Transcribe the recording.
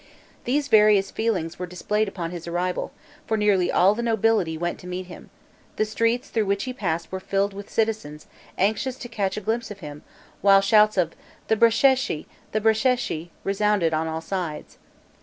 These various feelings were displayed upon his arrival; for nearly all the nobility went to meet him; the streets through which he passed were filled with citizens, anxious to catch a glimpse of him, while shouts of "The Bracceschi! the Bracceschi!" resounded on all sides.